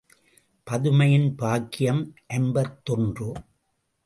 பதுமையின் பாக்கியம் ஐம்பத்தொன்று.